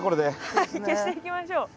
はい消していきましょう。